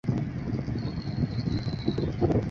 比希尔是德国巴伐利亚州的一个市镇。